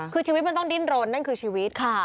คือชีวิตมันต้องดิ้นรนนั่นคือชีวิตค่ะ